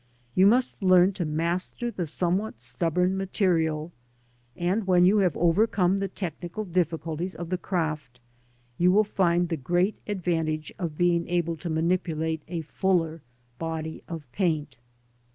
You must learn to master the somewhat stubborn material, and when you have overcome the technical difficulties of the craft, you will find the great advantage of being able to manipulate a fuller body of paint.